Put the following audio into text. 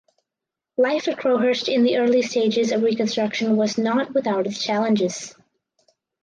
Life at Crowhurst in the early stages of reconstruction was not without its challenges.